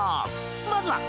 まずは。